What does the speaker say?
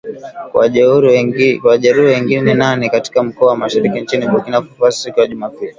Kuwajeruhi wengine nane katika mkoa wa Mashariki nchini Burkina Faso siku ya Jumapili